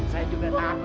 saya juga takut bos